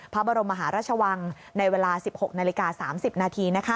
พระบรมมหาราชวังในเวลา๑๖นาฬิกา๓๐นาที